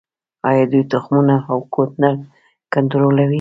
آیا دوی تخمونه او کود نه کنټرولوي؟